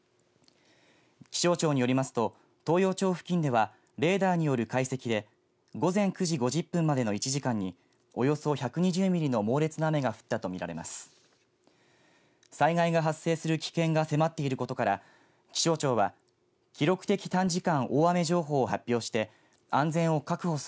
気象庁によりますと東洋町付近ではレーダーによる解析で午前９時５０分までの１時間におよそ１２０ミリの猛烈な雨が降ったとみられます。